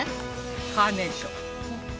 カーネーション。